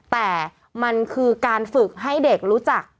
แต่มันคือการฝึกให้เด็กรู้จัก